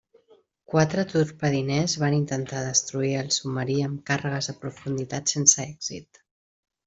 Quatre torpediners van intentar destruir al submarí amb càrregues de profunditat sense èxit.